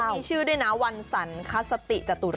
เค้ามีชื่อที่นัววันสรรคสติจตุรถิ